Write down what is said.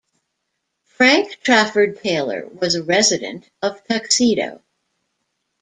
Frank Trafford Taylor was a resident of Tuxedo.